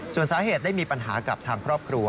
ส่วนสาเหตุได้มีปัญหากับทางครอบครัว